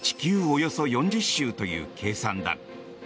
およそ４０周という計算だ。